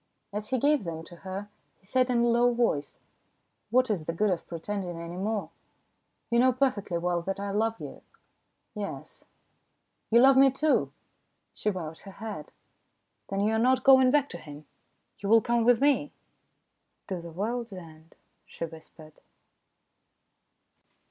As he gave them to her, he said in a low voice :" What is the good of pretending any more ? You know perfectly well that I love you." "Yes." "You love me, too?" She bowed her head. " Then you are not going back to him ? You will come with me ?"" To the world's end," she whispered.